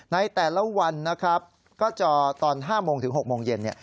ในแต่ละวันนะครับก็จอตอน๕โมงถึง๖โมงเย็น